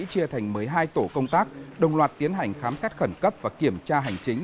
chia thành một mươi hai tổ công tác đồng loạt tiến hành khám xét khẩn cấp và kiểm tra hành chính